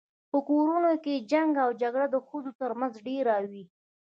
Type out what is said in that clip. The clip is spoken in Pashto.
په کورونو کي جنګ او جګړه د ښځو تر منځ ډیره وي